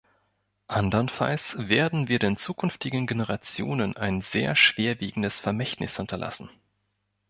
Andernfalls werden wir den zukünftigen Generationen ein sehr schwerwiegendes Vermächtnis hinterlassen.